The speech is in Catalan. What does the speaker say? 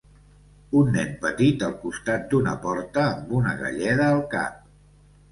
Un nen petit al costat d'una porta amb una galleda al cap.